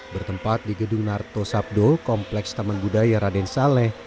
bertempat di gedung narto sabdo kompleks taman budaya raden saleh